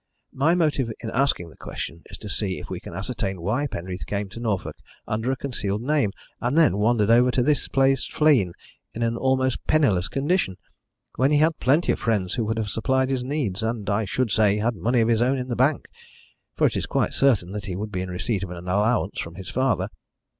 My motive in asking the question is to see if we can ascertain why Penreath came to Norfolk under a concealed name, and then wandered over to this place, Flegne, in an almost penniless condition, when he had plenty of friends who would have supplied his needs, and, I should say, had money of his own in the bank, for it is quite certain that he would be in receipt of an allowance from his father.